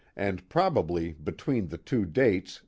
and probably between the two dates.